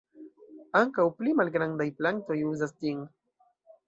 Ankaŭ pli malgrandaj plantoj uzas ĝin.